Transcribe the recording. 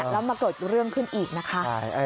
แล้วมาเกิดเรื่องขึ้นอีกนะคะ